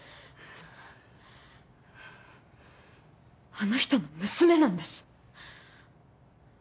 あの人の娘なんです。